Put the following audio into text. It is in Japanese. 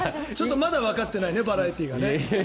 まだわかってないねバラエティーがね。